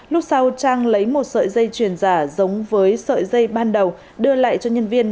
lúc sau trang lấy một sợi dây chuyền giả giống với sợi dây ban đầu đưa lại cho nhân viên